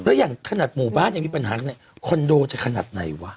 แล้วอย่างขนาดหมู่บ้านยังมีปัญหาขนาดไหนคอนโดจะขนาดไหนวะ